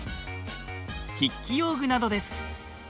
筆記用具などです。